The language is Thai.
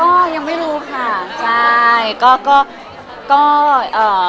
ก็ยังไม่รู้ค่ะใช่ก็ก็ก็ก็เอ่อ